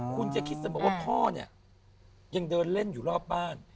คุณจะคิดเสมอว่าพ่อเนี่ยยังเดินเล่นอยู่รอบบ้าน